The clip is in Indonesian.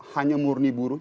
hanya murni buruh